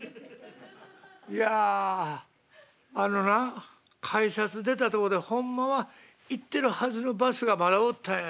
いやあのな改札出たとこでホンマは行ってるはずのバスがまだおったんや。